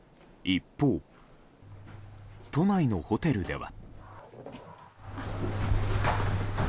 一方、都内のホテルでは。